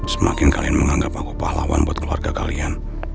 semakin kalian menganggap aku pahlawan buat keluarga kalian